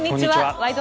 「ワイド！